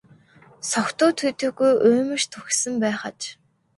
Согтуу төдийгүй уймарч түгшсэн байх аж.